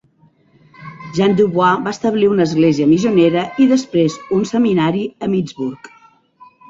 Jean Dubois va establir una església missionera i després un seminari a Emmitsburg.